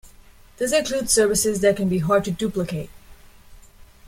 This includes services that can be hard to duplicate.